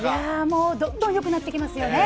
もうどんどんよくなってきますよね。